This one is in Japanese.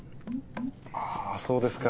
あそうですか。